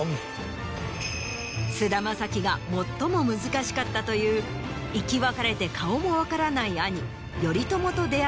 菅田将暉が最も難しかったという生き別れて顔も分からない。